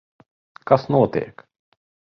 Kas notiek?